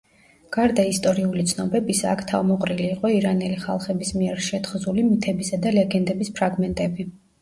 გარდა ისტორიული ცნობებისა აქ თავმოყრილი იყო ირანელი ხალხების მიერ შეთხზული მითებისა და ლეგენდების ფრაგმენტები.